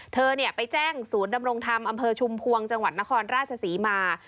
เธอไปแจ้งศูนย์ดำรงธรรมอำเภอชุมพวงจังหวัดนครราชศรีมา